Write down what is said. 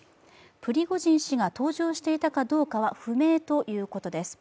プリゴジン氏が搭乗していたかどうかは不明ということです。